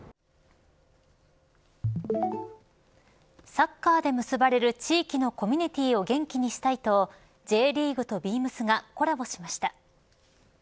サッカーで結ばれる地域のコミュニティーを元気にしたいとＪリーグとＢＥＡＭＳがコラボしました。